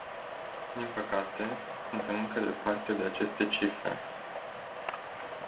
Din păcate, suntem încă departe de aceste cifre.